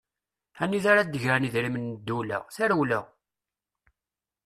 Anida ara d-gren idrimen n ddewla, tarewla!